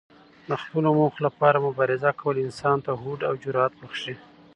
د خپلو موخو لپاره مبارزه کول انسان ته هوډ او جرات بښي.